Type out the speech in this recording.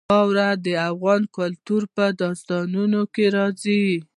واوره د افغان کلتور په داستانونو کې راځي.